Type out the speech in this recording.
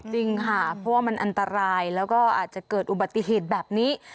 จริงค่ะเพราะว่ามันอันตรายแล้วก็อาจจะเกิดอุบัติเหตุแบบนี้